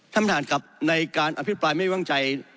ท่านพ่อท่านครับในการอภิกษ์ปลายไม่ว่างใจ